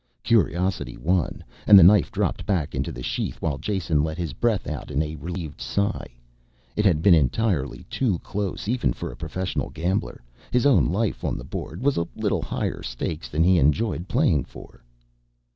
Curiosity won and the knife dropped back into the sheath while Jason let his breath out in a relieved sigh. It had been entirely too close, even for a professional gambler; his own life on the board was a little higher stakes than he enjoyed playing for.